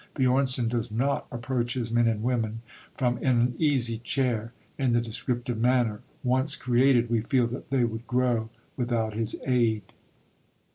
Björnson does not approach his men and women from an easy chair, in the descriptive manner; once created, we feel that they would grow without his aid.